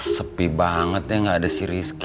sepi banget ya nggak ada si rizky